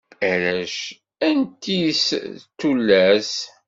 Arrac unti-is d tullas.